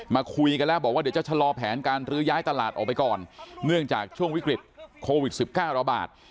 มาคุยกันแล้วบอกว่าเดี๋ยวจะชะลอแผนการลื้อย้ายตลาดออกไปก่อนเนื่องจากช่วงวิกฤตโควิด๑๙ระบาด